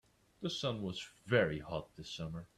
The sun was very hot this summer.